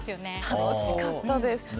楽しかったです。